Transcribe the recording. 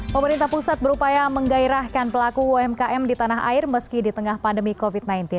pemerintah pusat berupaya menggairahkan pelaku umkm di tanah air meski di tengah pandemi covid sembilan belas